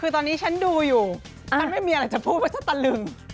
คือตอนนี้ฉันดูอยู่ฉันไม่มีอะไรจะพูดว่าฉันตะลึง